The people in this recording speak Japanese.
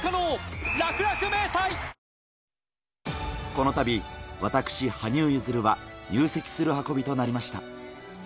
このたび、私、羽生結弦は入籍する運びとなりました。